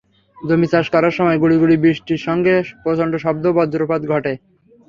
জমি চাষ করার সময় গুঁড়ি গুঁড়ি বৃষ্টির সঙ্গে প্রচণ্ড শব্দে বজ্রপাত ঘটে।